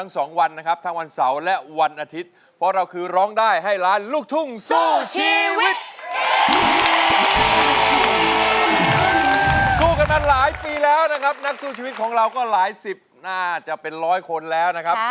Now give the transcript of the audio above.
สู้กันมาหลายปีแล้วนะครับนักสู้ชีวิตของเราก็หลายสิบน่าจะเป็นร้อยคนแล้วนะครับ